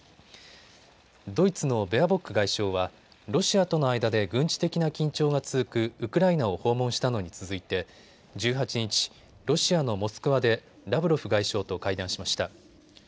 ドイツのベアボック外相はロシアとの間で軍事的な緊張が続くウクライナを訪問したのに続いて１８日、ロシアのモスクワでラブロフ外相と会談しました。